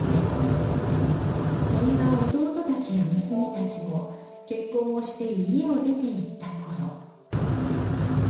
そんな義弟たちや娘たちも結婚をして家を出て行った頃